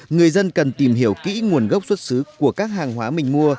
người dân cần tìm hiểu kỹ nguồn gốc xuất xứ của các hàng hóa mình mua